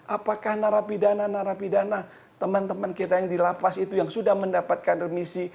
apakah narapi dana narapi dana teman teman kita yang dilapas itu yang sudah mendapatkan remisi